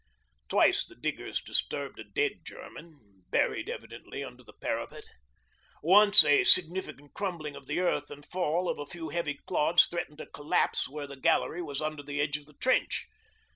Twice the diggers disturbed a dead German, buried evidently under the parapet. Once a significant crumbling of the earth and fall of a few heavy clods threatened a collapse where the gallery was under the edge of the trench.